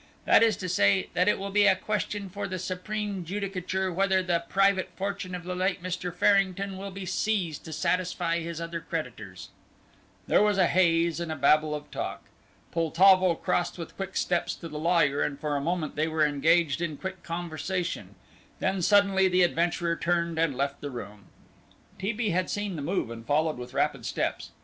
That is to say, that it will be a question for the supreme judicature whether the private fortune of the late Mr. Farrington will be seized to satisfy his other creditors." There was a haze and a babble of talk. Poltavo crossed with quick steps to the lawyer, and for a moment they were engaged in quick conversation; then suddenly the adventurer turned and left the room. T. B. had seen the move and followed with rapid steps.